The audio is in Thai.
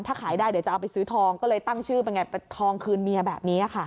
ถ้าขายได้เดี๋ยวจะเอาไปซื้อทองก็เลยตั้งชื่อเป็นไงเป็นทองคืนเมียแบบนี้ค่ะ